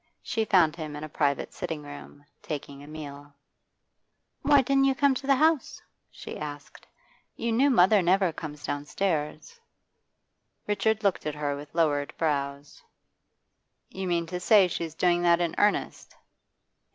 She found him in a private sitting room, taking a meal. 'Why didn't you come to the house?' she asked. 'You knew mother never comes down stairs.' Richard looked at her with lowered brows. 'You mean to say she's doing that in earnest?